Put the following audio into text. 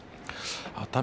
熱海